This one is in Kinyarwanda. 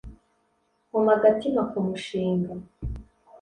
Nkoma agatima ku mushinga